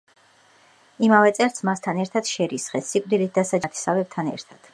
იმავე წელს ძმასთან ერთად შერისხეს; სიკვდილით დასაჯეს მცირეწლოვან შვილთან და ნათესავებთან ერთად.